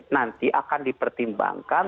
nanti akan dipertimbangkan